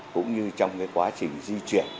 cũng như trong quá trình di chuyển